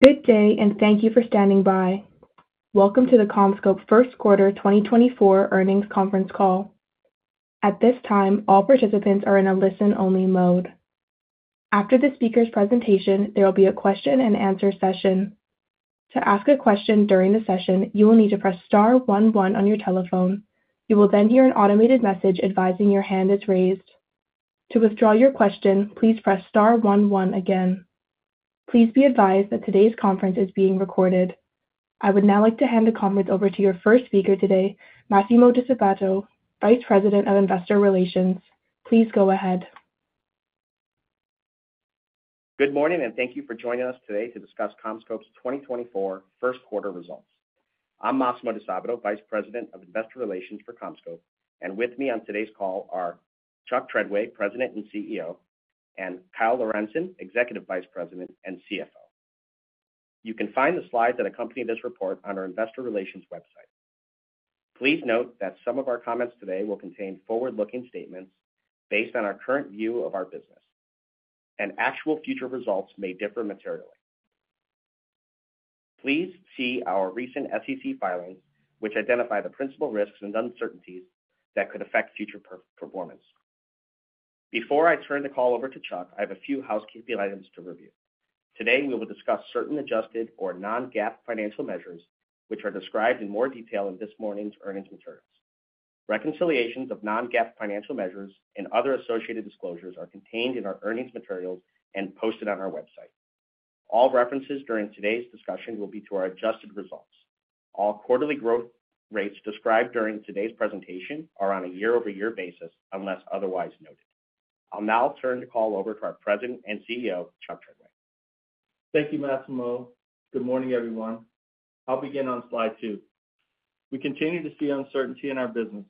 Good day and thank you for standing by. Welcome to the CommScope first quarter 2024 earnings conference call. At this time, all participants are in a listen-only mode. After the speaker's presentation, there will be a question-and-answer session. To ask a question during the session, you will need to press star one one on your telephone. You will then hear an automated message advising your hand is raised. To withdraw your question, please press star one one again. Please be advised that today's conference is being recorded. I would now like to hand the conference over to your first speaker today, Massimo Disabato, Vice President of Investor Relations. Please go ahead. Good morning and thank you for joining us today to discuss CommScope's 2024 first quarter results. I'm Massimo Disabato, Vice President of Investor Relations for CommScope, and with me on today's call are Chuck Treadway, President and CEO, and Kyle Lorentzen, Executive Vice President and CFO. You can find the slides that accompany this report on our Investor Relations website. Please note that some of our comments today will contain forward-looking statements based on our current view of our business, and actual future results may differ materially. Please see our recent SEC filings, which identify the principal risks and uncertainties that could affect future performance. Before I turn the call over to Chuck, I have a few housekeeping items to review. Today we will discuss certain adjusted or non-GAAP financial measures, which are described in more detail in this morning's earnings materials. Reconciliations of non-GAAP financial measures and other associated disclosures are contained in our earnings materials and posted on our website. All references during today's discussion will be to our adjusted results. All quarterly growth rates described during today's presentation are on a year-over-year basis unless otherwise noted. I'll now turn the call over to our President and CEO, Chuck Treadway. Thank you, Massimo. Good morning, everyone. I'll begin on Slide 2. We continue to see uncertainty in our business.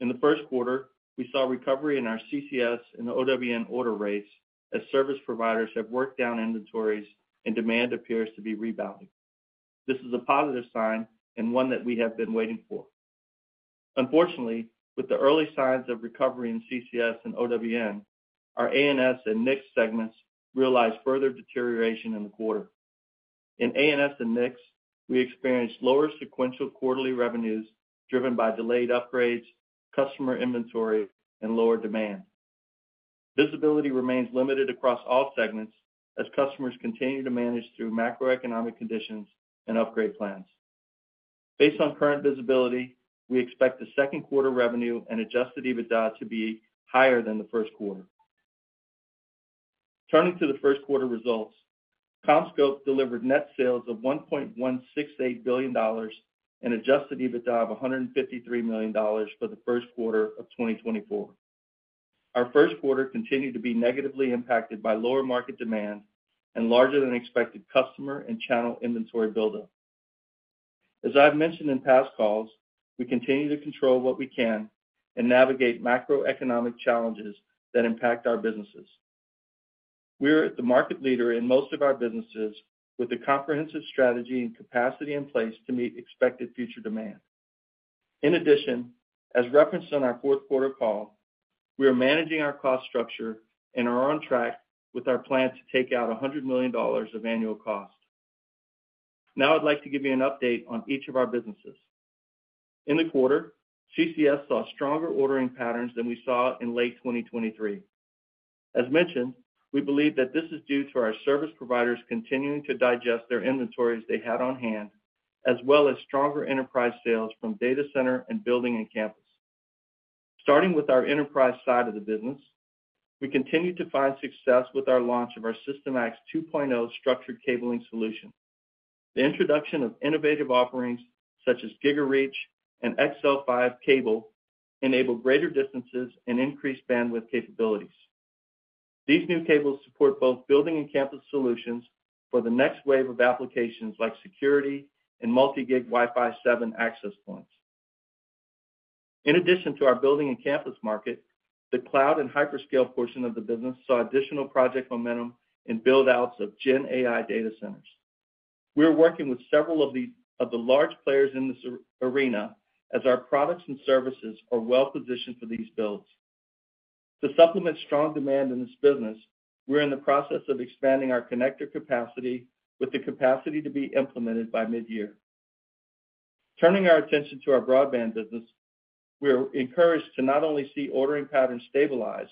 In the first quarter, we saw recovery in our CCS and OWN order rates as service providers have worked down inventories and demand appears to be rebounding. This is a positive sign and one that we have been waiting for. Unfortunately, with the early signs of recovery in CCS and OWN, our ANS and NICS segments realized further deterioration in the quarter. In ANS and NICS, we experienced lower sequential quarterly revenues driven by delayed upgrades, customer inventory, and lower demand. Visibility remains limited across all segments as customers continue to manage through macroeconomic conditions and upgrade plans. Based on current visibility, we expect the second quarter revenue and Adjusted EBITDA to be higher than the first quarter. Turning to the first quarter results, CommScope delivered net sales of $1.168 billion and adjusted EBITDA of $153 million for the first quarter of 2024. Our first quarter continued to be negatively impacted by lower market demand and larger-than-expected customer and channel inventory buildup. As I've mentioned in past calls, we continue to control what we can and navigate macroeconomic challenges that impact our businesses. We are the market leader in most of our businesses with a comprehensive strategy and capacity in place to meet expected future demand. In addition, as referenced on our fourth quarter call, we are managing our cost structure and are on track with our plan to take out $100 million of annual cost. Now I'd like to give you an update on each of our businesses. In the quarter, CCS saw stronger ordering patterns than we saw in late 2023. As mentioned, we believe that this is due to our service providers continuing to digest their inventories they had on hand, as well as stronger enterprise sales from data center and building and campus. Starting with our enterprise side of the business, we continue to find success with our launch of our SYSTIMAX 2.0 structured cabling solution. The introduction of innovative offerings such as GigaREACH and XL5 cable enable greater distances and increased bandwidth capabilities. These new cables support both building and campus solutions for the next wave of applications like security and multi-gig Wi-Fi 7 access points. In addition to our building and campus market, the cloud and hyperscale portion of the business saw additional project momentum and buildouts of Gen AI data centers. We are working with several of the large players in this arena as our products and services are well-positioned for these builds. To supplement strong demand in this business, we're in the process of expanding our connector capacity with the capacity to be implemented by mid-year. Turning our attention to our broadband business, we are encouraged to not only see ordering patterns stabilize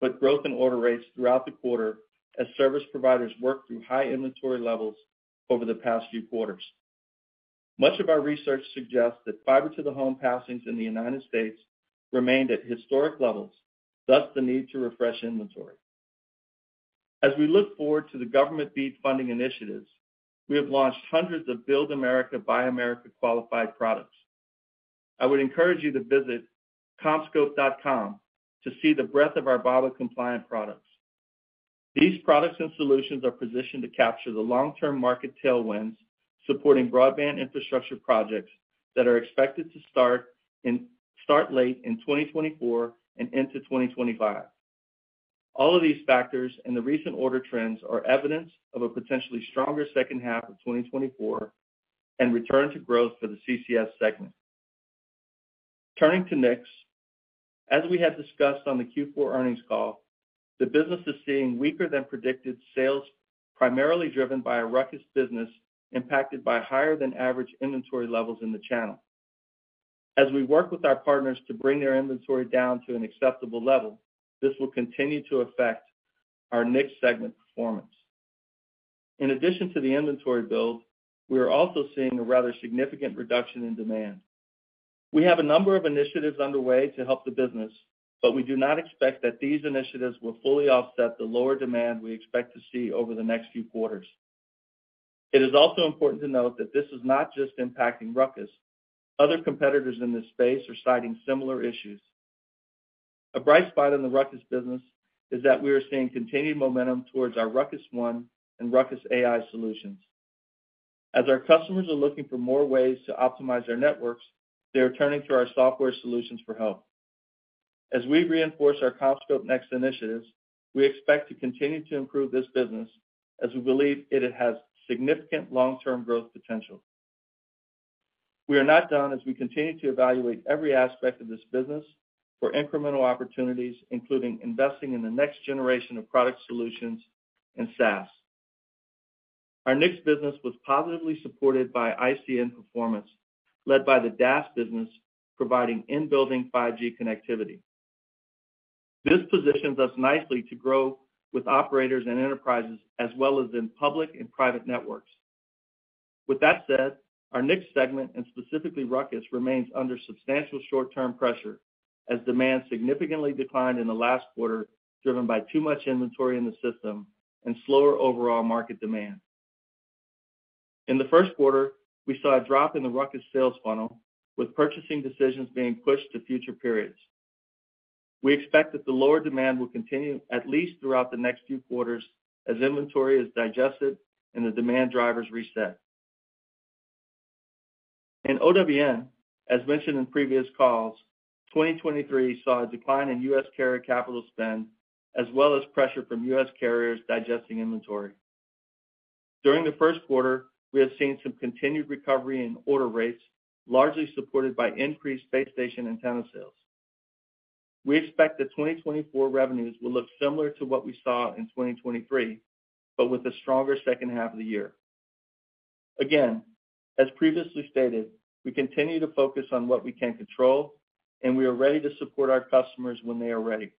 but growth in order rates throughout the quarter as service providers work through high inventory levels over the past few quarters. Much of our research suggests that fiber-to-the-Home Networks in the United States remained at historic levels, thus the need to refresh inventory. As we look forward to the government BEAD funding initiatives, we have launched hundreds of Build America, Buy America qualified products. I would encourage you to visit CommScope.com to see the breadth of our BABA-compliant products. These products and solutions are positioned to capture the long-term market tailwinds supporting broadband infrastructure projects that are expected to start late in 2024 and into 2025. All of these factors and the recent order trends are evidence of a potentially stronger second half of 2024 and return to growth for the CCS segment. Turning to NICS, as we had discussed on the Q4 earnings call, the business is seeing weaker-than-predicted sales primarily driven by a Ruckus business impacted by higher-than-average inventory levels in the channel. As we work with our partners to bring their inventory down to an acceptable level, this will continue to affect our NICS segment performance. In addition to the inventory build, we are also seeing a rather significant reduction in demand. We have a number of initiatives underway to help the business, but we do not expect that these initiatives will fully offset the lower demand we expect to see over the next few quarters. It is also important to note that this is not just impacting Ruckus. Other competitors in this space are citing similar issues. A bright spot in the Ruckus business is that we are seeing continued momentum towards our Ruckus One and Ruckus AI solutions. As our customers are looking for more ways to optimize their networks, they are turning to our software solutions for help. As we reinforce our CommScope NEXT initiatives, we expect to continue to improve this business as we believe it has significant long-term growth potential. We are not done as we continue to evaluate every aspect of this business for incremental opportunities, including investing in the next generation of product solutions and SaaS. Our NICS business was positively supported by ICN performance, led by the DAS business providing in-building 5G connectivity. This positions us nicely to grow with operators and enterprises as well as in public and private networks. With that said, our NICS segment, and specifically Ruckus, remains under substantial short-term pressure as demand significantly declined in the last quarter driven by too much inventory in the system and slower overall market demand. In the first quarter, we saw a drop in the Ruckus sales funnel, with purchasing decisions being pushed to future periods. We expect that the lower demand will continue at least throughout the next few quarters as inventory is digested and the demand drivers reset. In OWN, as mentioned in previous calls, 2023 saw a decline in U.S. carrier capital spend as well as pressure from U.S. carriers digesting inventory. During the first quarter, we have seen some continued recovery in order rates, largely supported by increased base station antenna sales. We expect that 2024 revenues will look similar to what we saw in 2023, but with a stronger second half of the year. Again, as previously stated, we continue to focus on what we can control, and we are ready to support our customers when they are ready.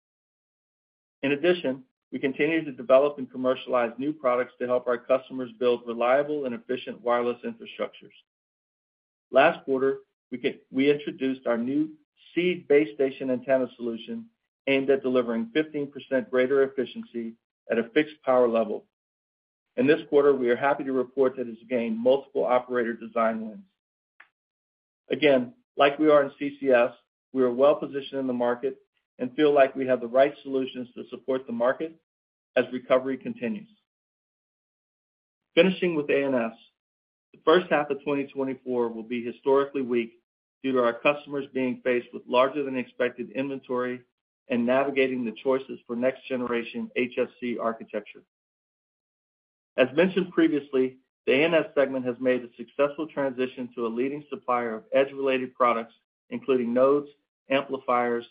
In addition, we continue to develop and commercialize new products to help our customers build reliable and efficient wireless infrastructures. Last quarter, we introduced our new SEED base station antenna solution aimed at delivering 15% greater efficiency at a fixed power level. In this quarter, we are happy to report that it has gained multiple operator design wins. Again, like we are in CCS, we are well-positioned in the market and feel like we have the right solutions to support the market as recovery continues. Finishing with ANS, the first half of 2024 will be historically weak due to our customers being faced with larger-than-expected inventory and navigating the choices for next-generation HFC architecture. As mentioned previously, the ANS segment has made a successful transition to a leading supplier of edge-related products, including nodes, amplifiers,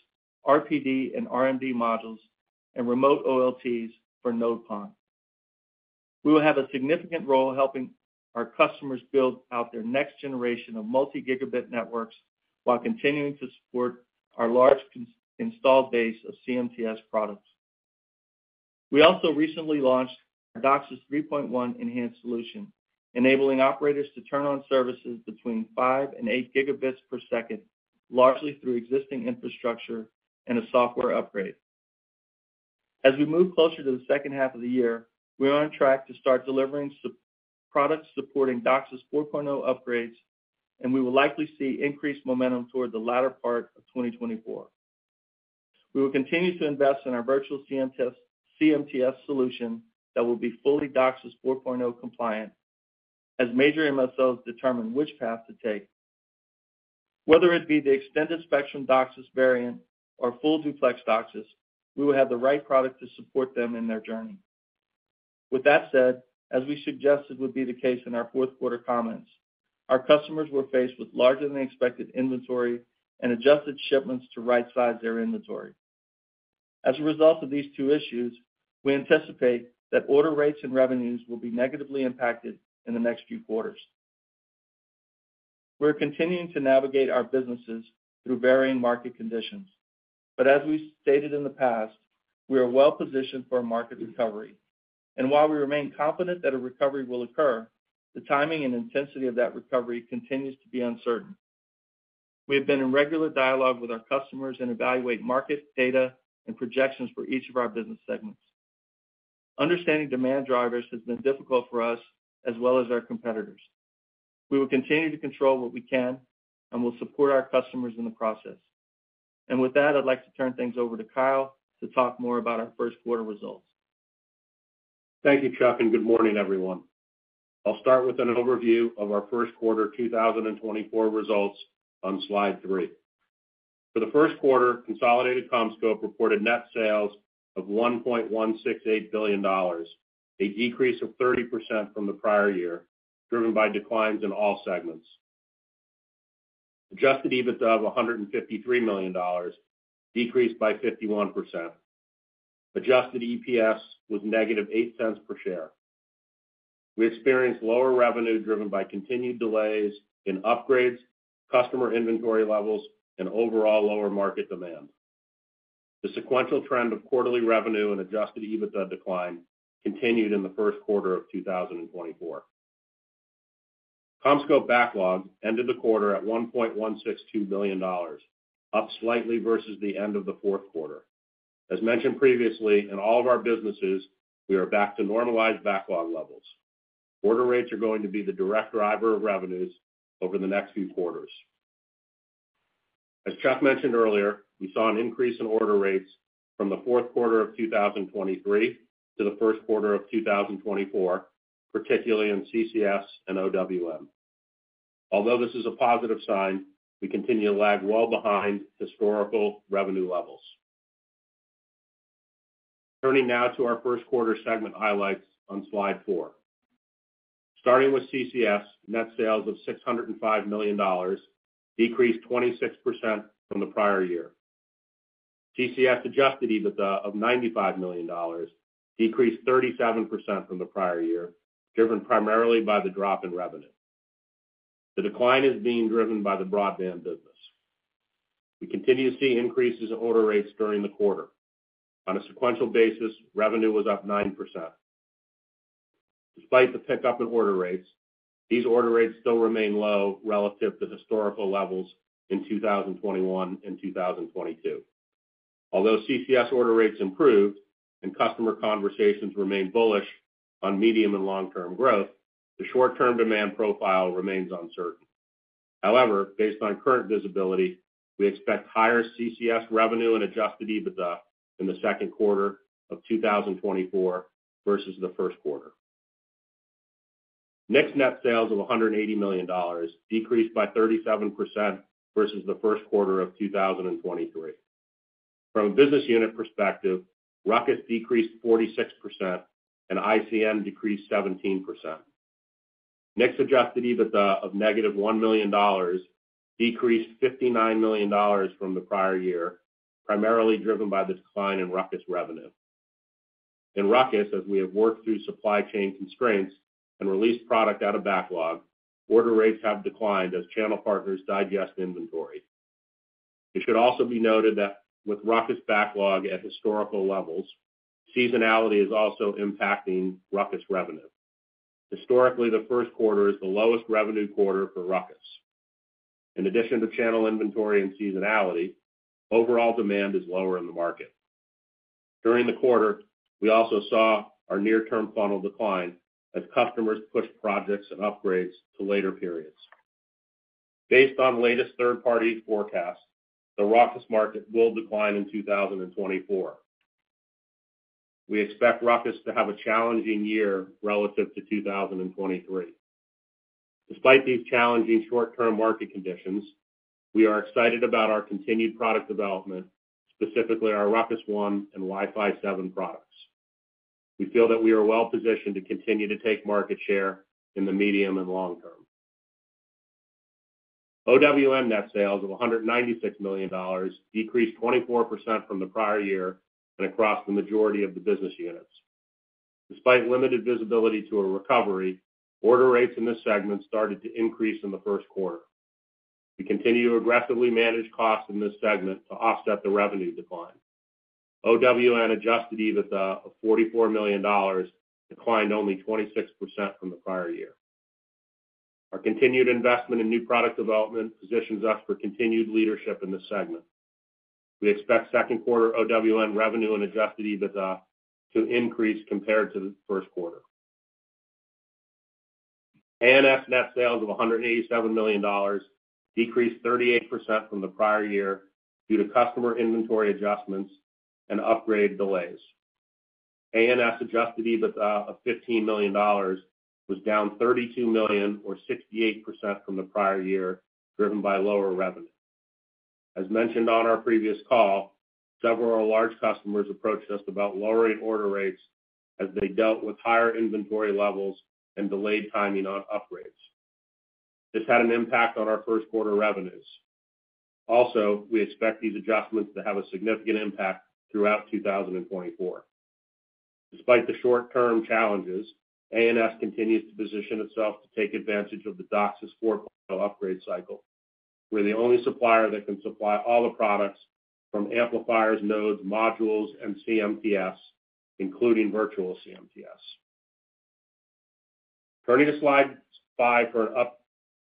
RPD and RMD modules, and remote OLTs for Node PON. We will have a significant role helping our customers build out their next generation of multi-gigabit networks while continuing to support our large installed base of CMTS products. We also recently launched DOCSIS 3.1 Enhanced solution, enabling operators to turn on services between 5 and 8 Gb per second, largely through existing infrastructure and a software upgrade. As we move closer to the second half of the year, we are on track to start delivering products supporting DOCSIS 4.0 upgrades, and we will likely see increased momentum toward the latter part of 2024. We will continue to invest in our virtual CMTS solution that will be fully DOCSIS 4.0 compliant as major MSOs determine which path to take. Whether it be the Extended Spectrum DOCSIS variant or Full Duplex DOCSIS, we will have the right product to support them in their journey. With that said, as we suggested would be the case in our fourth quarter comments, our customers were faced with larger-than-expected inventory and adjusted shipments to right-size their inventory. As a result of these two issues, we anticipate that order rates and revenues will be negatively impacted in the next few quarters. We are continuing to navigate our businesses through varying market conditions, but as we stated in the past, we are well-positioned for a market recovery. And while we remain confident that a recovery will occur, the timing and intensity of that recovery continues to be uncertain. We have been in regular dialogue with our customers and evaluate market data and projections for each of our business segments. Understanding demand drivers has been difficult for us as well as our competitors. We will continue to control what we can and will support our customers in the process. With that, I'd like to turn things over to Kyle to talk more about our first quarter results. Thank you, Chuck, and good morning, everyone. I'll start with an overview of our first quarter 2024 results on Slide 3. For the first quarter, consolidated CommScope reported net sales of $1.168 billion, a decrease of 30% from the prior year driven by declines in all segments. Adjusted EBITDA of $153 million, decreased by 51%. Adjusted EPS was -$0.08 per share. We experienced lower revenue driven by continued delays in upgrades, customer inventory levels, and overall lower market demand. The sequential trend of quarterly revenue and Adjusted EBITDA decline continued in the first quarter of 2024. CommScope backlog ended the quarter at $1.162 million, up slightly versus the end of the fourth quarter. As mentioned previously, in all of our businesses, we are back to normalized backlog levels. Order rates are going to be the direct driver of revenues over the next few quarters. As Chuck mentioned earlier, we saw an increase in order rates from the fourth quarter of 2023 to the first quarter of 2024, particularly in CCS and OWN. Although this is a positive sign, we continue to lag well behind historical revenue levels. Turning now to our first quarter segment highlights on Slide 4. Starting with CCS, net sales of $605 million, decreased 26% from the prior year. CCS adjusted EBITDA of $95 million, decreased 37% from the prior year driven primarily by the drop in revenue. The decline is being driven by the broadband business. We continue to see increases in order rates during the quarter. On a sequential basis, revenue was up 9%. Despite the pickup in order rates, these order rates still remain low relative to historical levels in 2021 and 2022. Although CCS order rates improved and customer conversations remain bullish on medium- and long-term growth, the short-term demand profile remains uncertain. However, based on current visibility, we expect higher CCS revenue and Adjusted EBITDA in the second quarter of 2024 versus the first quarter. NICS net sales of $180 million, decreased by 37% versus the first quarter of 2023. From a business unit perspective, Ruckus decreased 46% and ICN decreased 17%. NICS Adjusted EBITDA of -$1 million, decreased $59 million from the prior year, primarily driven by the decline in Ruckus revenue. In Ruckus, as we have worked through supply chain constraints and released product out of backlog, order rates have declined as channel partners digest inventory. It should also be noted that with Ruckus backlog at historical levels, seasonality is also impacting Ruckus revenue. Historically, the first quarter is the lowest revenue quarter for Ruckus. In addition to channel inventory and seasonality, overall demand is lower in the market. During the quarter, we also saw our near-term funnel decline as customers pushed projects and upgrades to later periods. Based on latest third-party forecasts, the Ruckus market will decline in 2024. We expect Ruckus to have a challenging year relative to 2023. Despite these challenging short-term market conditions, we are excited about our continued product development, specifically our Ruckus One and Wi-Fi 7 products. We feel that we are well-positioned to continue to take market share in the medium and long term. OWN net sales of $196 million decreased 24% from the prior year and across the majority of the business units. Despite limited visibility to a recovery, order rates in this segment started to increase in the first quarter. We continue to aggressively manage costs in this segment to offset the revenue decline. OWN Adjusted EBITDA of $44 million declined only 26% from the prior year. Our continued investment in new product development positions us for continued leadership in this segment. We expect second quarter OWN revenue and Adjusted EBITDA to increase compared to the first quarter. ANS net sales of $187 million decreased 38% from the prior year due to customer inventory adjustments and upgrade delays. ANS adjusted EBITDA of $15 million was down $32 million or 68% from the prior year driven by lower revenue. As mentioned on our previous call, several of our large customers approached us about lowering order rates as they dealt with higher inventory levels and delayed timing on upgrades. This had an impact on our first quarter revenues. Also, we expect these adjustments to have a significant impact throughout 2024. Despite the short-term challenges, ANS continues to position itself to take advantage of the DOCSIS 4.0 upgrade cycle. We're the only supplier that can supply all the products from amplifiers, nodes, modules, and CMTS, including virtual CMTS. Turning to Slide 5 for an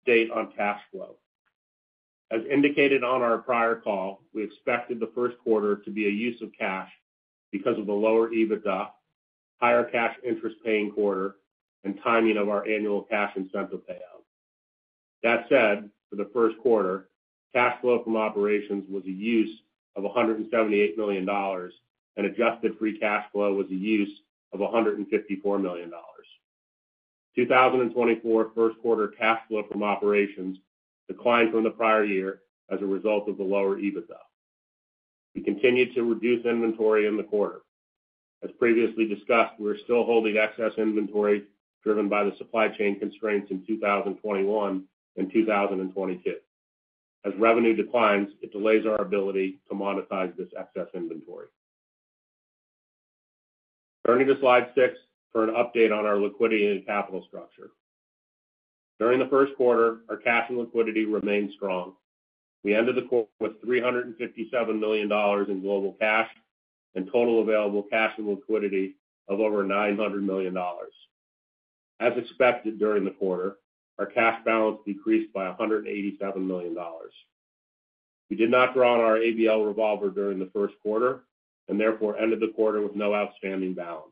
update on cash flow. As indicated on our prior call, we expected the first quarter to be a use of cash because of the lower EBITDA, higher cash interest paying quarter, and timing of our annual cash incentive payout. That said, for the first quarter, cash flow from operations was a use of $178 million and adjusted free cash flow was a use of $154 million. 2024 first quarter cash flow from operations declined from the prior year as a result of the lower EBITDA. We continue to reduce inventory in the quarter. As previously discussed, we are still holding excess inventory driven by the supply chain constraints in 2021 and 2022. As revenue declines, it delays our ability to monetize this excess inventory. Turning to Slide 6 for an update on our liquidity and capital structure. During the first quarter, our cash and liquidity remained strong. We ended the quarter with $357 million in global cash and total available cash and liquidity of over $900 million. As expected during the quarter, our cash balance decreased by $187 million. We did not draw on our ABL revolver during the first quarter and therefore ended the quarter with no outstanding balance.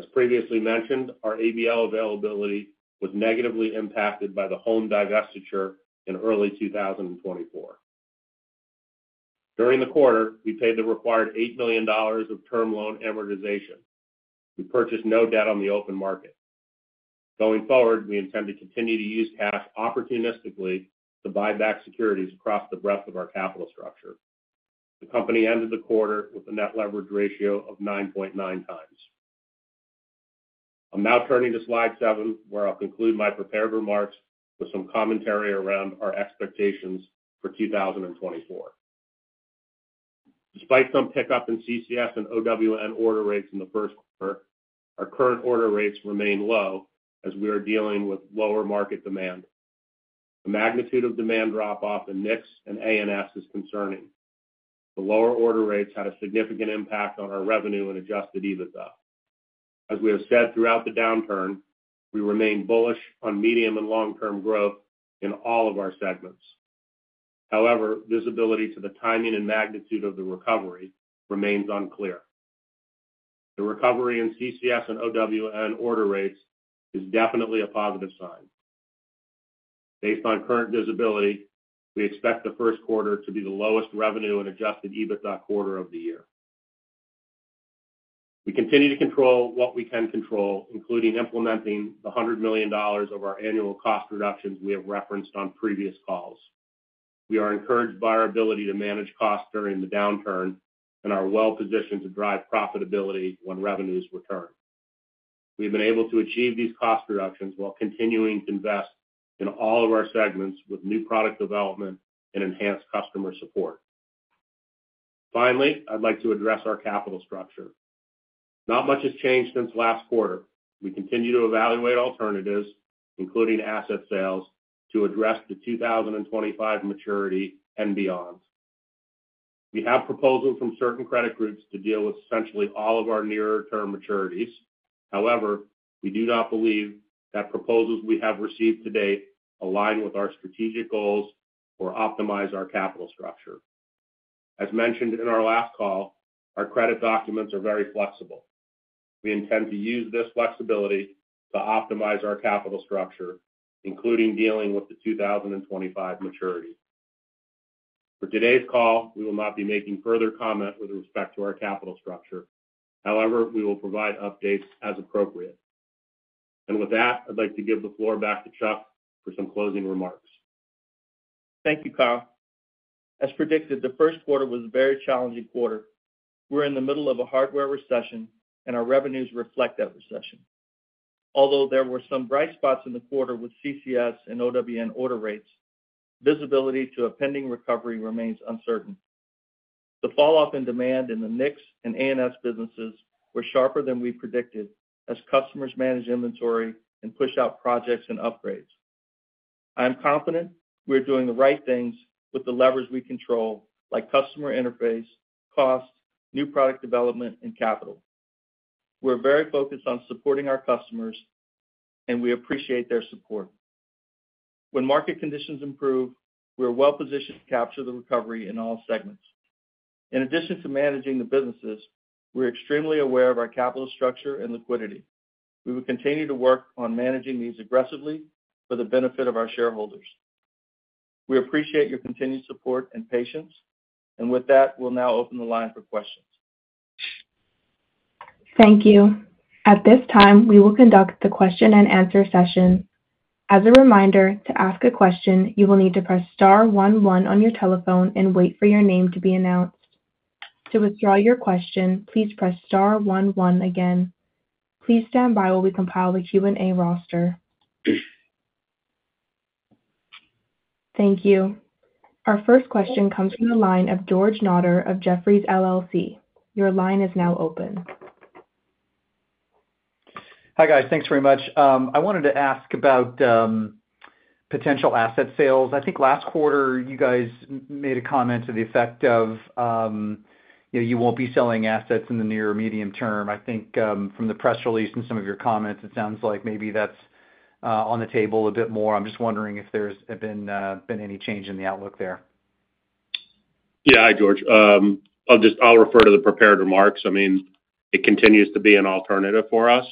As previously mentioned, our ABL availability was negatively impacted by the Home divestiture in early 2024. During the quarter, we paid the required $8 million of term loan amortization. We purchased no debt on the open market. Going forward, we intend to continue to use cash opportunistically to buy back securities across the breadth of our capital structure. The company ended the quarter with a net leverage ratio of 9.9x. I'm now turning to Slide 7 where I'll conclude my prepared remarks with some commentary around our expectations for 2024. Despite some pickup in CCS and OWN order rates in the first quarter, our current order rates remain low as we are dealing with lower market demand. The magnitude of demand drop-off in NICS and ANS is concerning. The lower order rates had a significant impact on our revenue and Adjusted EBITDA. As we have said throughout the downturn, we remain bullish on medium and long-term growth in all of our segments. However, visibility to the timing and magnitude of the recovery remains unclear. The recovery in CCS and OWN order rates is definitely a positive sign. Based on current visibility, we expect the first quarter to be the lowest revenue and Adjusted EBITDA quarter of the year. We continue to control what we can control, including implementing the $100 million of our annual cost reductions we have referenced on previous calls. We are encouraged by our ability to manage costs during the downturn and are well-positioned to drive profitability when revenues return. We have been able to achieve these cost reductions while continuing to invest in all of our segments with new product development and enhanced customer support. Finally, I'd like to address our capital structure. Not much has changed since last quarter. We continue to evaluate alternatives, including asset sales, to address the 2025 maturity and beyond. We have proposals from certain credit groups to deal with essentially all of our nearer-term maturities. However, we do not believe that proposals we have received to date align with our strategic goals or optimize our capital structure. As mentioned in our last call, our credit documents are very flexible. We intend to use this flexibility to optimize our capital structure, including dealing with the 2025 maturity. For today's call, we will not be making further comment with respect to our capital structure. However, we will provide updates as appropriate. And with that, I'd like to give the floor back to Chuck for some closing remarks. Thank you, Kyle. As predicted, the first quarter was a very challenging quarter. We're in the middle of a hardware recession, and our revenues reflect that recession. Although there were some bright spots in the quarter with CCS and OWN order rates, visibility to a pending recovery remains uncertain. The falloff in demand in the NICS and ANS businesses was sharper than we predicted as customers manage inventory and push out projects and upgrades. I am confident we are doing the right things with the levers we control, like customer interface, cost, new product development, and capital. We're very focused on supporting our customers, and we appreciate their support. When market conditions improve, we are well-positioned to capture the recovery in all segments. In addition to managing the businesses, we're extremely aware of our capital structure and liquidity. We will continue to work on managing these aggressively for the benefit of our shareholders. We appreciate your continued support and patience. With that, we'll now open the line for questions. Thank you. At this time, we will conduct the question-and-answer session. As a reminder, to ask a question, you will need to press star one one on your telephone and wait for your name to be announced. To withdraw your question, please press star one one again. Please stand by while we compile the Q&A roster. Thank you. Our first question comes from the line of George Notter of Jefferies LLC. Your line is now open. Hi, guys. Thanks very much. I wanted to ask about potential asset sales. I think last quarter, you guys made a comment to the effect of you won't be selling assets in the near or medium term. I think from the press release and some of your comments, it sounds like maybe that's on the table a bit more. I'm just wondering if there's been any change in the outlook there. Yeah, hi, George. I'll refer to the prepared remarks. I mean, it continues to be an alternative for us.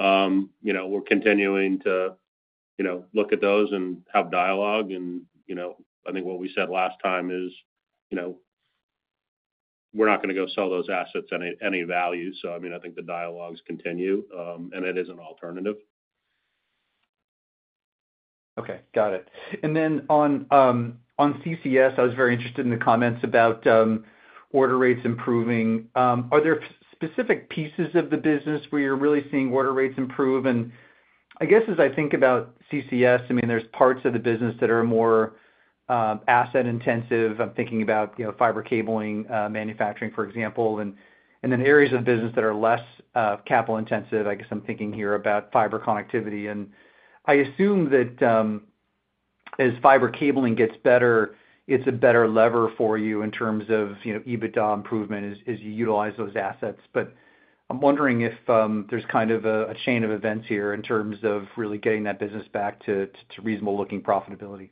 We're continuing to look at those and have dialogue. And I think what we said last time is we're not going to go sell those assets any value. So, I mean, I think the dialogue continues, and it is an alternative. Okay. Got it. Then on CCS, I was very interested in the comments about order rates improving. Are there specific pieces of the business where you're really seeing order rates improve? I guess as I think about CCS, I mean, there's parts of the business that are more asset-intensive. I'm thinking about fiber cabling manufacturing, for example, and then areas of business that are less capital-intensive. I guess I'm thinking here about fiber connectivity. I assume that as fiber cabling gets better, it's a better lever for you in terms of EBITDA improvement as you utilize those assets. I'm wondering if there's kind of a chain of events here in terms of really getting that business back to reasonable-looking profitability.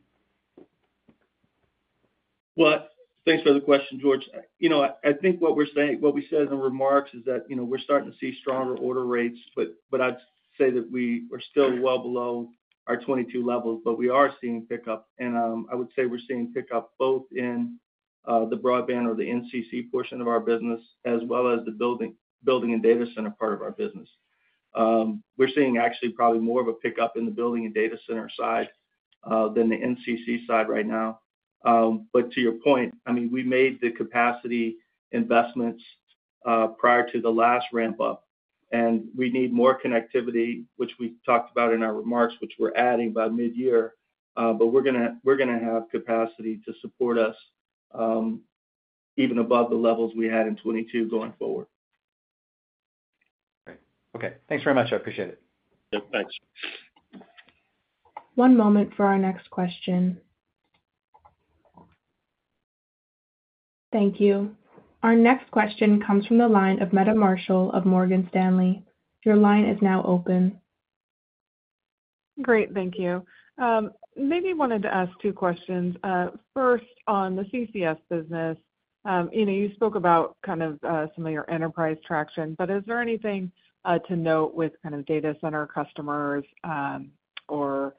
Well, thanks for the question, George. I think what we said in the remarks is that we're starting to see stronger order rates, but I'd say that we are still well below our 2022 levels. But we are seeing pickup. And I would say we're seeing pickup both in the broadband or the NCC portion of our business as well as the building and data center part of our business. We're seeing actually probably more of a pickup in the building and data center side than the NCC side right now. But to your point, I mean, we made the capacity investments prior to the last ramp-up, and we need more connectivity, which we talked about in our remarks, which we're adding by mid-year. But we're going to have capacity to support us even above the levels we had in 2022 going forward. Great. Okay. Thanks very much. I appreciate it. Yeah. Thanks. One moment for our next question. Thank you. Our next question comes from the line of Meta Marshall of Morgan Stanley. Your line is now open. Great. Thank you. Maybe I wanted to ask two questions. First, on the CCS business, you spoke about kind of some of your enterprise traction, but is there anything to note with kind of data center customers or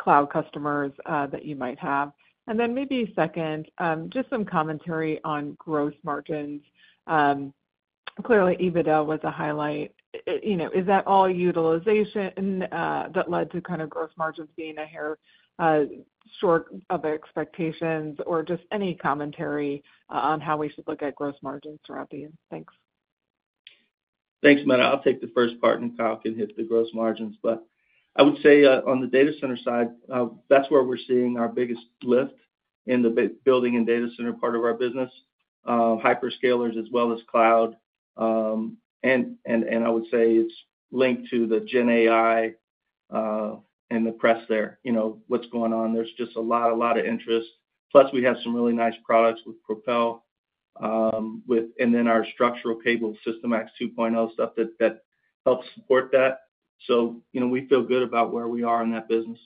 cloud customers that you might have? And then maybe second, just some commentary on gross margins. Clearly, EBITDA was a highlight. Is that all utilization that led to kind of gross margins being a hair short of expectations, or just any commentary on how we should look at gross margins throughout the year? Thanks. Thanks, Meta. I'll take the first part, and Kyle can hit the gross margins. But I would say on the data center side, that's where we're seeing our biggest lift in the building and data center part of our business, hyperscalers as well as cloud. And I would say it's linked to the Gen AI and the press there, what's going on. There's just a lot of interest. Plus, we have some really nice products with Propel, and then our structured cabling, SYSTIMAX 2.0, stuff that helps support that. So we feel good about where we are in that business.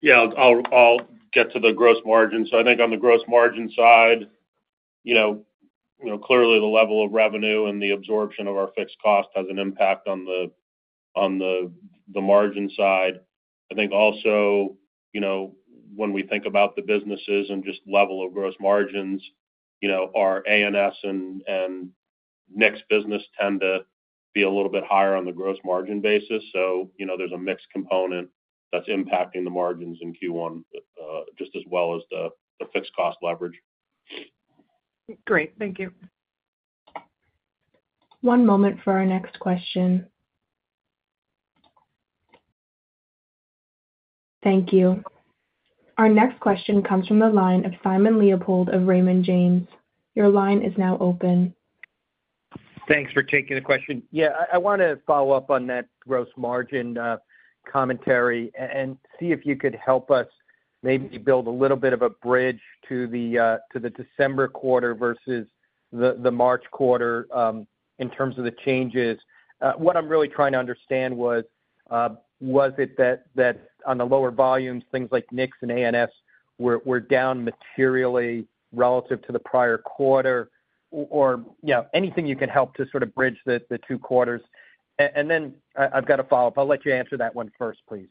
Yeah. I'll get to the gross margins. So I think on the gross margin side, clearly, the level of revenue and the absorption of our fixed cost has an impact on the margin side. I think also, when we think about the businesses and just level of gross margins, our ANS and NICS business tend to be a little bit higher on the gross margin basis. So there's a mixed component that's impacting the margins in Q1 just as well as the fixed cost leverage. Great. Thank you. One moment for our next question. Thank you. Our next question comes from the line of Simon Leopold of Raymond James. Your line is now open. Thanks for taking the question. Yeah. I want to follow up on that gross margin commentary and see if you could help us maybe build a little bit of a bridge to the December quarter versus the March quarter in terms of the changes. What I'm really trying to understand was, was it that on the lower volumes, things like NICS and ANS were down materially relative to the prior quarter, or anything you can help to sort of bridge the two quarters? And then I've got a follow-up. I'll let you answer that one first, please.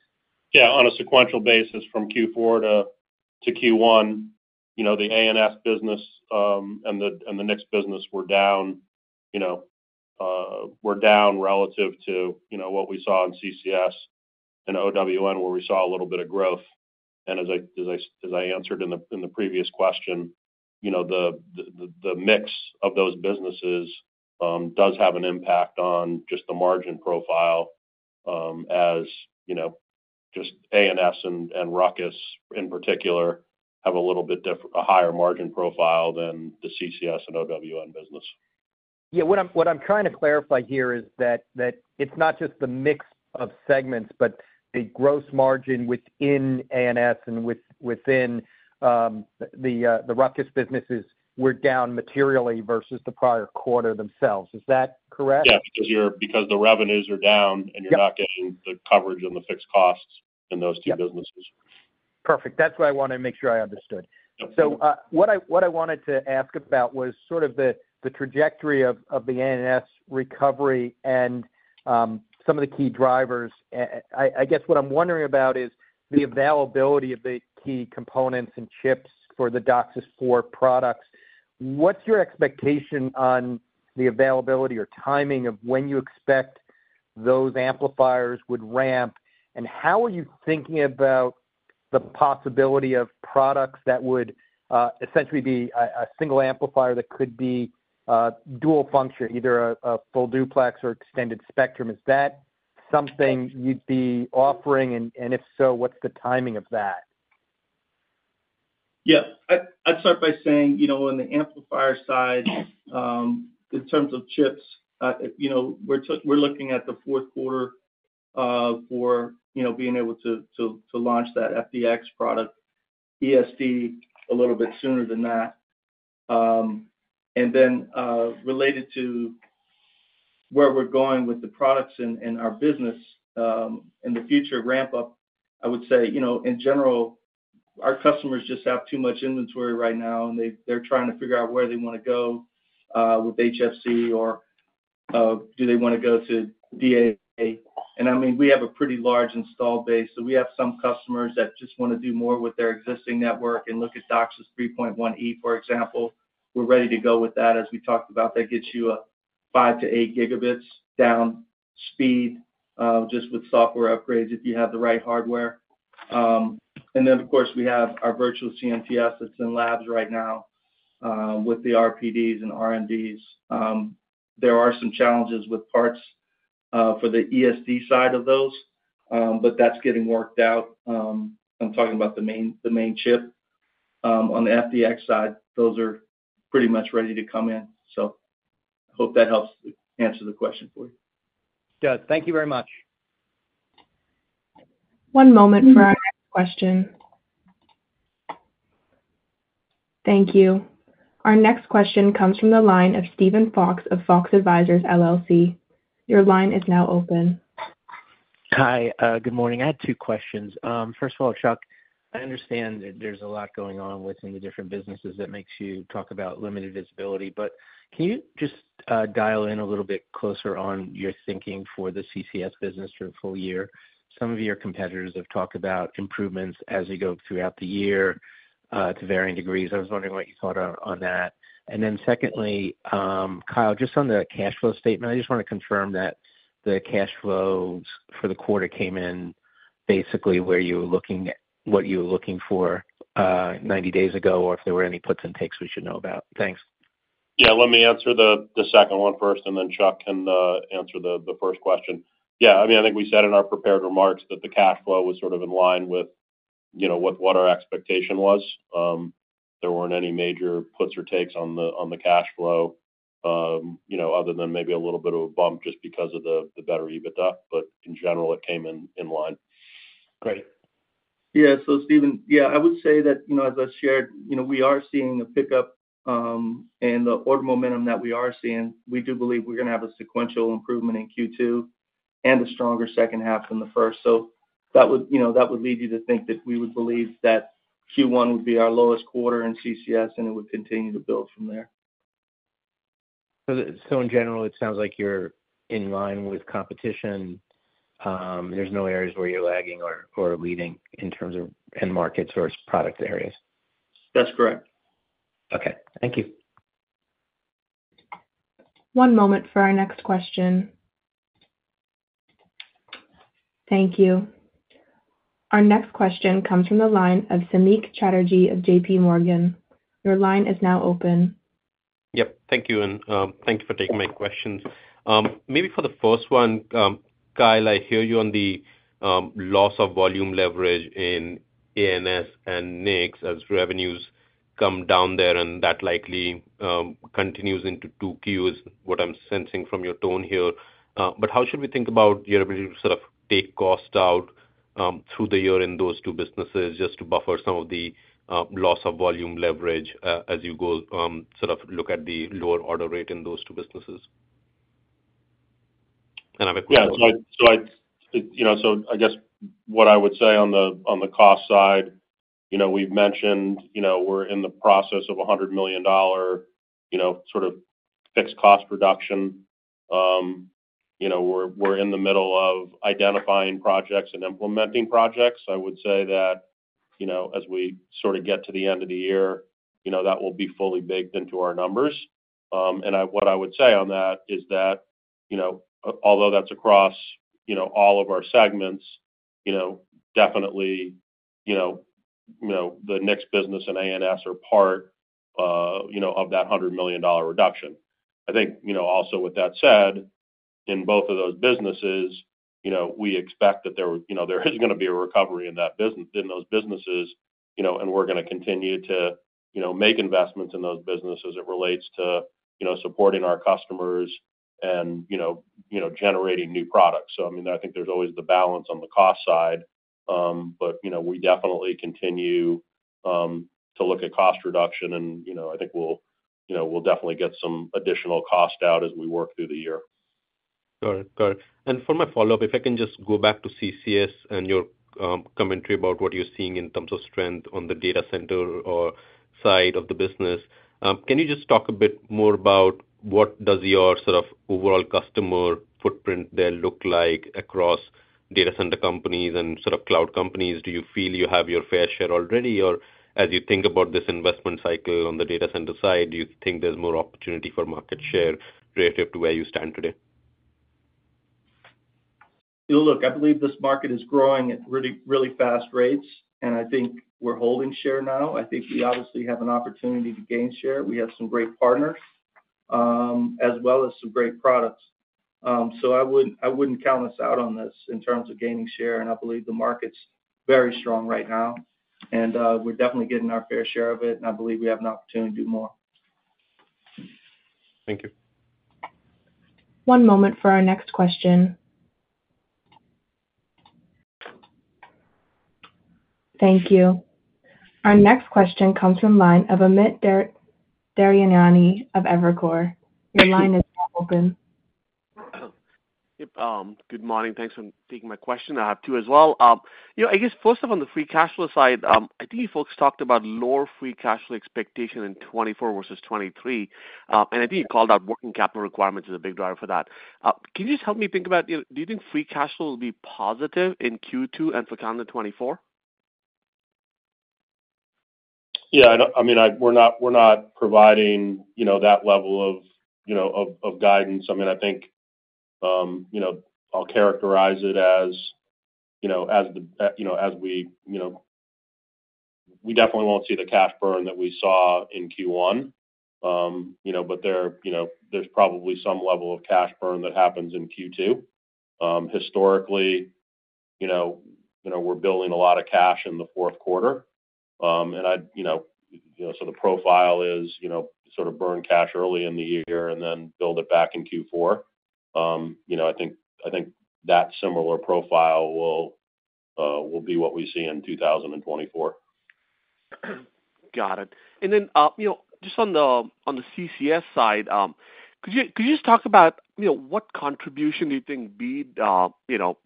Yeah. On a sequential basis, from Q4 to Q1, the ANS business and the NICS business were down relative to what we saw in CCS and OWN, where we saw a little bit of growth. And as I answered in the previous question, the mix of those businesses does have an impact on just the margin profile as just ANS and Ruckus, in particular, have a little bit different a higher margin profile than the CCS and OWN business. Yeah. What I'm trying to clarify here is that it's not just the mix of segments, but the gross margin within ANS and within the Ruckus businesses, we're down materially versus the prior quarter themselves. Is that correct? Yeah. Because the revenues are down, and you're not getting the coverage and the fixed costs in those two businesses. Perfect. That's what I wanted to make sure I understood. So what I wanted to ask about was sort of the trajectory of the ANS recovery and some of the key drivers. I guess what I'm wondering about is the availability of the key components and chips for the DOCSIS 4 products. What's your expectation on the availability or timing of when you expect those amplifiers would ramp? And how are you thinking about the possibility of products that would essentially be a single amplifier that could be dual function, either a full duplex or extended spectrum? Is that something you'd be offering? And if so, what's the timing of that? Yeah. I'd start by saying on the amplifier side, in terms of chips, we're looking at the fourth quarter for being able to launch that FDX product, ESD, a little bit sooner than that. And then related to where we're going with the products and our business in the future ramp-up, I would say, in general, our customers just have too much inventory right now, and they're trying to figure out where they want to go with HFC, or do they want to go to DAA? And I mean, we have a pretty large installed base. So we have some customers that just want to do more with their existing network and look at DOCSIS 3.1 Enhanced, for example. We're ready to go with that. As we talked about, that gets you 5 Gb-8 Gb down speed just with software upgrades if you have the right hardware. And then, of course, we have our virtual CMTS that's in labs right now with the RPDs and RMDs. There are some challenges with parts for the ESD side of those, but that's getting worked out. I'm talking about the main chip. On the FDX side, those are pretty much ready to come in. So I hope that helps answer the question for you. Good. Thank you very much. One moment for our next question. Thank you. Our next question comes from the line of Steven Fox of Fox Advisors LLC. Your line is now open. Hi. Good morning. I had two questions. First of all, Chuck, I understand that there's a lot going on within the different businesses. That makes you talk about limited visibility. But can you just dial in a little bit closer on your thinking for the CCS business for the full year? Some of your competitors have talked about improvements as you go throughout the year to varying degrees. I was wondering what you thought on that. And then secondly, Kyle, just on the cash flow statement, I just want to confirm that the cash flows for the quarter came in basically where you were looking at what you were looking for 90 days ago or if there were any puts and takes we should know about. Thanks. Yeah. Let me answer the second one first, and then Chuck can answer the first question. Yeah. I mean, I think we said in our prepared remarks that the cash flow was sort of in line with what our expectation was. There weren't any major puts or takes on the cash flow other than maybe a little bit of a bump just because of the better EBITDA. But in general, it came in line. Great. Yeah. So, Steven, yeah, I would say that as I shared, we are seeing a pickup. And the order momentum that we are seeing, we do believe we're going to have a sequential improvement in Q2 and a stronger second half than the first. So that would lead you to think that we would believe that Q1 would be our lowest quarter in CCS, and it would continue to build from there. In general, it sounds like you're in line with competition. There's no areas where you're lagging or leading in terms of end markets or product areas. That's correct. Okay. Thank you. One moment for our next question. Thank you. Our next question comes from the line of Samik Chatterjee of JPMorgan. Your line is now open. Yep. Thank you. And thank you for taking my questions. Maybe for the first one, Kyle, I hear you on the loss of volume leverage in ANS and NICS as revenues come down there, and that likely continues into two Qs, what I'm sensing from your tone here. But how should we think about your ability to sort of take cost out through the year in those two businesses just to buffer some of the loss of volume leverage as you go sort of look at the lower order rate in those two businesses? And I have a quick question. Yeah. So I guess what I would say on the cost side, we've mentioned we're in the process of $100 million sort of fixed cost reduction. We're in the middle of identifying projects and implementing projects. I would say that as we sort of get to the end of the year, that will be fully baked into our numbers. And what I would say on that is that although that's across all of our segments, definitely the NICS business and ANS are part of that $100 million reduction. I think also with that said, in both of those businesses, we expect that there is going to be a recovery in those businesses, and we're going to continue to make investments in those businesses as it relates to supporting our customers and generating new products. So, I mean, I think there's always the balance on the cost side, but we definitely continue to look at cost reduction. And I think we'll definitely get some additional cost out as we work through the year. Got it. Got it. For my follow-up, if I can just go back to CCS and your commentary about what you're seeing in terms of strength on the data center side of the business, can you just talk a bit more about what does your sort of overall customer footprint there look like across data center companies and sort of cloud companies? Do you feel you have your fair share already, or as you think about this investment cycle on the data center side, do you think there's more opportunity for market share relative to where you stand today? Well, look, I believe this market is growing at really fast rates, and I think we're holding share now. I think we obviously have an opportunity to gain share. We have some great partners as well as some great products. So I wouldn't count us out on this in terms of gaining share. And I believe the market's very strong right now, and we're definitely getting our fair share of it. And I believe we have an opportunity to do more. Thank you. One moment for our next question. Thank you. Our next question comes from the line of Amit Daryanani of Evercore. Your line is now open. Yep. Good morning. Thanks for taking my question. I have two as well. I guess first off, on the free cash flow side, I think you folks talked about lower free cash flow expectation in 2024 versus 2023. I think you called out working capital requirements as a big driver for that. Can you just help me think about do you think free cash flow will be positive in Q2 and for calendar 2024? Yeah. I mean, we're not providing that level of guidance. I mean, I think I'll characterize it as we definitely won't see the cash burn that we saw in Q1, but there's probably some level of cash burn that happens in Q2. Historically, we're building a lot of cash in the fourth quarter. And so the profile is sort of burn cash early in the year and then build it back in Q4. I think that similar profile will be what we see in 2024. Got it. And then just on the CCS side, could you just talk about what contribution do you think BEAD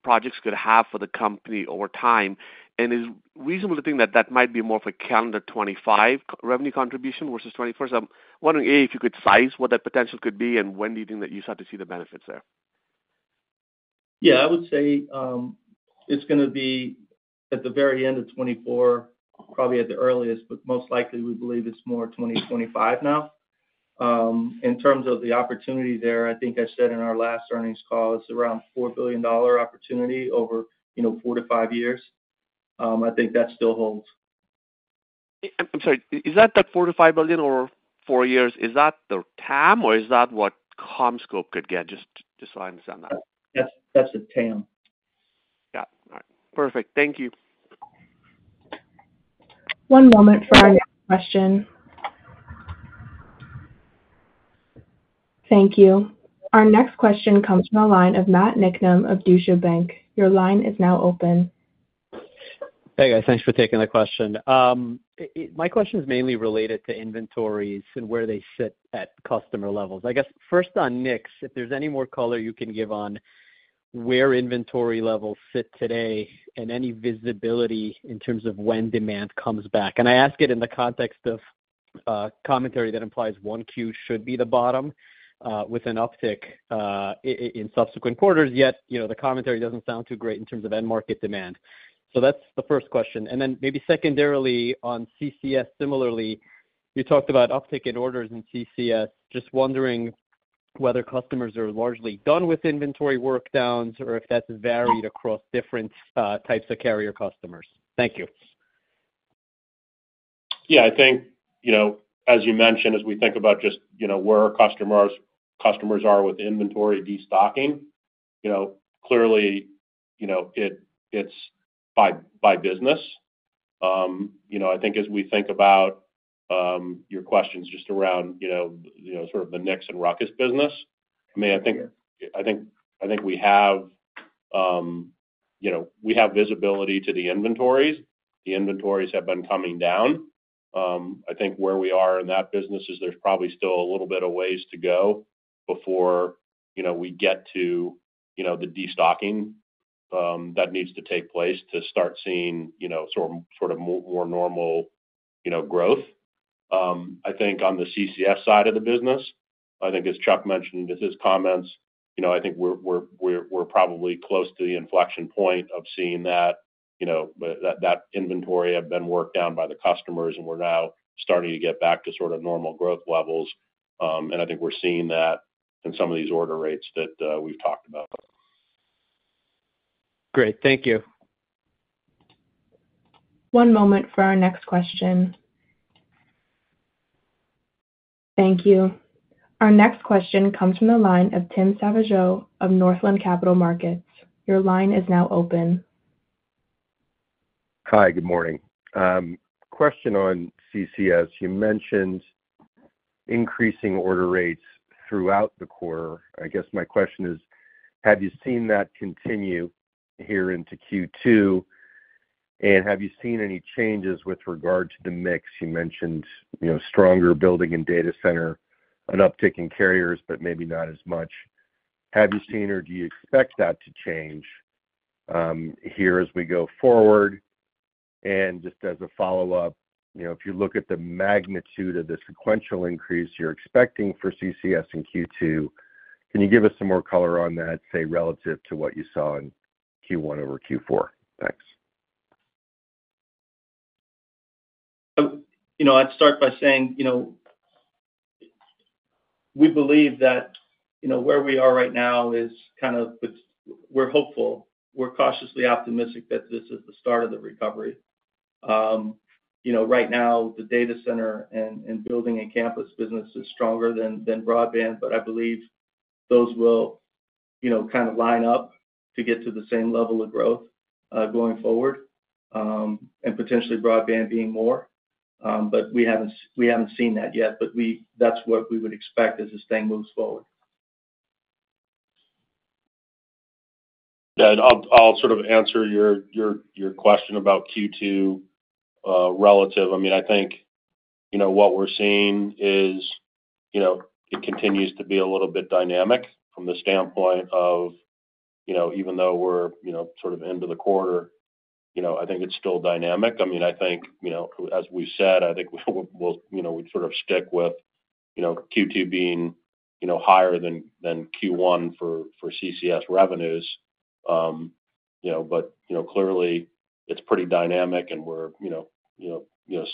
projects could have for the company over time? And is it reasonable to think that that might be more of a calendar 2025 revenue contribution versus 2021? So I'm wondering, A, if you could size what that potential could be, and when do you think that you start to see the benefits there? Yeah. I would say it's going to be at the very end of 2024, probably at the earliest, but most likely, we believe it's more 2025 now. In terms of the opportunity there, I think I said in our last earnings call, it's around $4 billion opportunity over four to five years. I think that still holds. I'm sorry. Is that $4 billion-$5 billion or 4 years? Is that their TAM, or is that what CommScope could get? Just so I understand that. That's the TAM. Got it. All right. Perfect. Thank you. One moment for our next question. Thank you. Our next question comes from the line of Matt Niknam of Deutsche Bank. Your line is now open. Hey, guys. Thanks for taking the question. My question is mainly related to inventories and where they sit at customer levels. I guess first on NICS, if there's any more color you can give on where inventory levels sit today and any visibility in terms of when demand comes back. And I ask it in the context of commentary that implies 1Q should be the bottom with an uptick in subsequent quarters, yet the commentary doesn't sound too great in terms of end market demand. So that's the first question. And then maybe secondarily, on CCS, similarly, you talked about uptick in orders in CCS. Just wondering whether customers are largely done with inventory workdowns or if that's varied across different types of carrier customers. Thank you. Yeah. I think as you mentioned, as we think about just where our customers are with inventory destocking, clearly, it's by business. I think as we think about your questions just around sort of the NICS and Ruckus business, I mean, I think we have visibility to the inventories. The inventories have been coming down. I think where we are in that business is there's probably still a little bit of ways to go before we get to the destocking that needs to take place to start seeing sort of more normal growth. I think on the CCS side of the business, I think as Chuck mentioned in his comments, I think we're probably close to the inflection point of seeing that inventory have been worked down by the customers, and we're now starting to get back to sort of normal growth levels. I think we're seeing that in some of these order rates that we've talked about. Great. Thank you. One moment for our next question. Thank you. Our next question comes from the line of Tim Savageaux of Northland Capital Markets. Your line is now open. Hi. Good morning. Question on CCS. You mentioned increasing order rates throughout the quarter. I guess my question is, have you seen that continue here into Q2? And have you seen any changes with regard to the mix? You mentioned stronger building in data center, an uptick in carriers, but maybe not as much. Have you seen, or do you expect that to change here as we go forward? And just as a follow-up, if you look at the magnitude of the sequential increase you're expecting for CCS in Q2, can you give us some more color on that, say, relative to what you saw in Q1 over Q4? Thanks. I'd start by saying we believe that where we are right now is kind of we're hopeful. We're cautiously optimistic that this is the start of the recovery. Right now, the data center and building and campus business is stronger than broadband, but I believe those will kind of line up to get to the same level of growth going forward and potentially broadband being more. But we haven't seen that yet. But that's what we would expect as this thing moves forward. Yeah. And I'll sort of answer your question about Q2 relative. I mean, I think what we're seeing is it continues to be a little bit dynamic from the standpoint of even though we're sort of end of the quarter, I think it's still dynamic. I mean, I think as we've said, I think we'll sort of stick with Q2 being higher than Q1 for CCS revenues. But clearly, it's pretty dynamic, and we're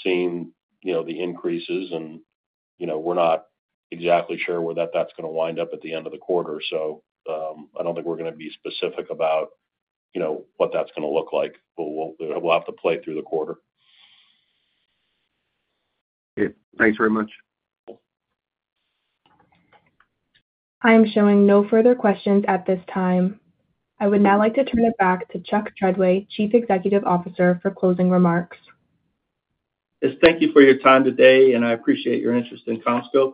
seeing the increases. And we're not exactly sure where that's going to wind up at the end of the quarter. So I don't think we're going to be specific about what that's going to look like. We'll have to play through the quarter. Okay. Thanks very much. I am showing no further questions at this time. I would now like to turn it back to Chuck Treadway, Chief Executive Officer, for closing remarks. Yes. Thank you for your time today, and I appreciate your interest in CommScope.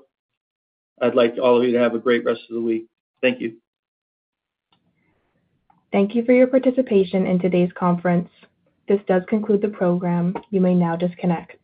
I'd like all of you to have a great rest of the week. Thank you. Thank you for your participation in today's conference. This does conclude the program. You may now disconnect.